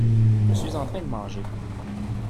Je suis en train de manger.